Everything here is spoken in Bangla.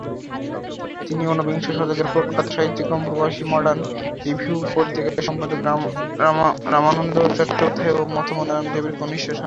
তিনি ঊনবিংশ শতকের প্রখ্যাত সাহিত্যিক এবং প্রবাসী ও মডার্ন রিভিউ পত্রিকার সম্পাদক রামানন্দ চট্টোপাধ্যায় ও মাতা মনোরমা দেবীর কনিষ্ঠ সন্তান।